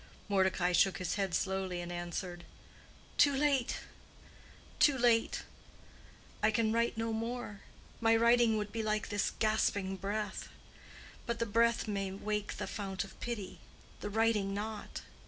Mordecai shook his head slowly, and answered, "Too late—too late. I can write no more. My writing would be like this gasping breath. But the breath may wake the fount of pity—the writing not.